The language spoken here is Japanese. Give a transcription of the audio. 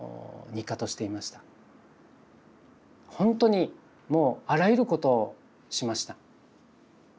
ほんとにもうあらゆることをしました。